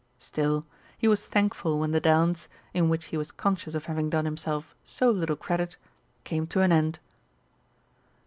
Still, he was thankful when the dance, in which he was conscious of having done himself so little credit, came to an end.